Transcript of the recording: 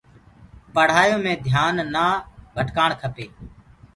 پڙهآيو مي ڌيآن نآ ڀٽڪآڻ ڪپي۔